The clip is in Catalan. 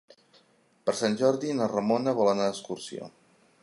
Per Sant Jordi na Ramona vol anar d'excursió.